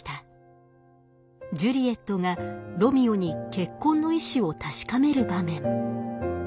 ジュリエットがロミオに結婚の意思を確かめる場面。